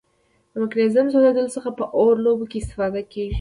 د مګنیزیم سوځیدلو څخه په اور لوبو کې استفاده کیږي.